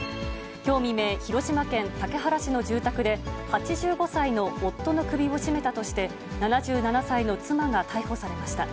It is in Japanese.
きょう未明、広島県竹原市の住宅で、８５歳の夫の首を絞めたとして、７７歳の妻が逮捕されました。